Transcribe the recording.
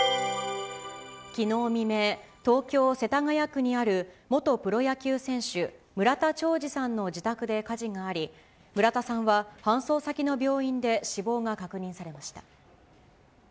きのう未明、東京・世田谷区にある元プロ野球選手、村田兆治さんの自宅で火事があり、村田さんは搬送先の病院で死亡が確認されました。